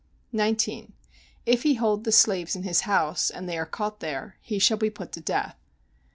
19. If he hold the slaves in his house, and they are caught there, he shall be put to death.